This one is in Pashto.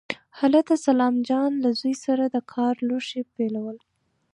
هلته سلام جان له زوی سره د کار لوښي بېلول.